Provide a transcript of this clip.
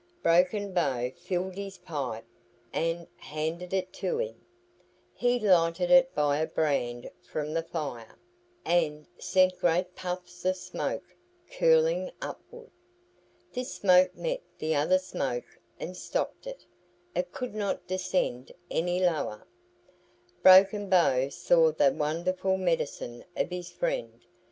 Broken Bow filled his pipe and, handed it to him. He lighted it by a brand from the fire, and sent great puffs of smoke curling upward. This smoke met the other smoke and stopped it. It could not descend any lower. Broken Bow saw the wonderful medicine of his friend.